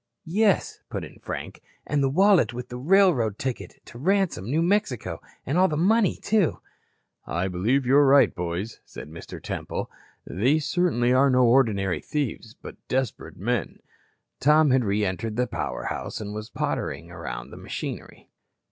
"Yes," put in Frank, "and the wallet with the railroad ticket to Ransome, New Mexico, and all that money, too." "I believe you are right, boys," said Mr. Temple. "These certainly are no ordinary thieves, but desperate men." Tom had re entered the power house and was pottering around the machinery.